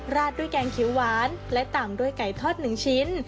ราดด้วยแกงเขียวหวานและตำด้วยไก่ทอดหนึ่งชิ้น